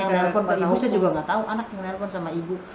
anak yang nelfon ke ibu saya juga nggak tahu anak yang nelfon sama ibu